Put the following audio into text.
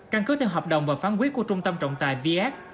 căn cứ theo hợp đồng và phán quyết của trung tâm trọng tài viet